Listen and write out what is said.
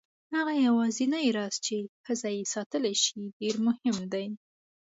هغه یوازینی راز چې ښځه یې ساتلی شي ډېر مهم دی.